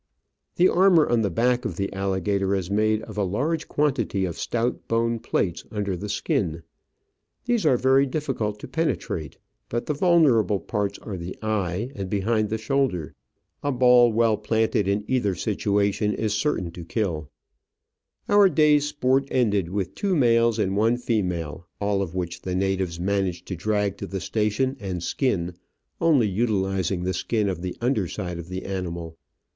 The armour on the back of the alligator is made of a quantity of stout bone plates under the skin; these are very difficult to penetrate; but the vulnerable parts are the eye and behind the shoulder — a ball well planted in either situation is Digitized by VjOOQIC y OF AN Orchid Hunter. 89 certain to kill. Our day's sport ended with two males and one female, all of which the natives managed to drag to the station and skin, only utilising the skin of the under side of the animal.